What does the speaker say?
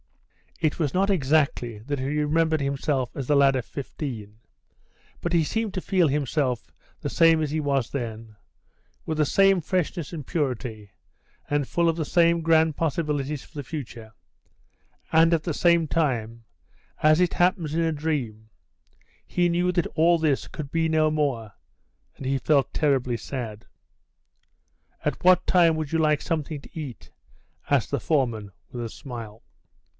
It was not exactly that he remembered himself as a lad of 15, but he seemed to feel himself the same as he was then, with the same freshness and purity, and full of the same grand possibilities for the future, and at the same time, as it happens in a dream, he knew that all this could be no more, and he felt terribly sad. "At what time would you like something to eat?" asked the foreman, with a smile.